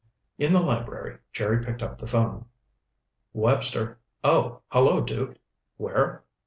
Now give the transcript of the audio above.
In the library, Jerry picked up the phone. "Webster. Oh, hello, Duke. Where?